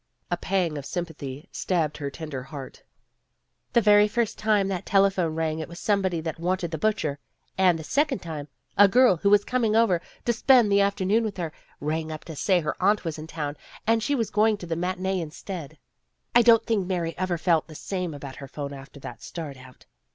A pang of sympathy stabbed her tender heart. "The very first time that telephone rang it was somebody that wanted the butcher; and the second time, a girl, who was coming over to spend the afternoon with her, rang up to say her aunt was in town and she was going to the matinee instead. I don't think Mary ever felt the same about her phone after that start out.